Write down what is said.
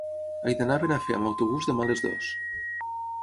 He d'anar a Benafer amb autobús demà a les dues.